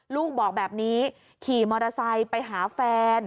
ลูกบอกแบบนี้ขี่มอเตอร์ไซค์ไปหาแฟน